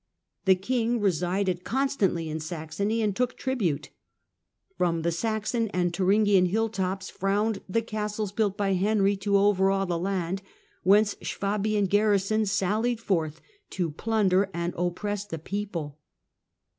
The king resided constantly in Saxony and took tribute. From the Saxon and Thuringian hill tops frowned the castles built by Henry to overawe the land, whence Swabian garrisons sallied forth to plunder and oppress the people.